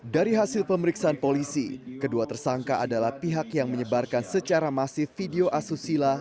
dari hasil pemeriksaan polisi kedua tersangka adalah pihak yang menyebarkan secara masif video asusila